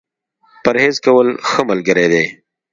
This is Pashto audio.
پرهېز کول ، ښه ملګری دی.